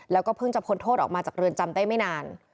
แล้วก็เพิ่งจะพ้นโทษออกมาจากเรือนจำได้ไม่นาน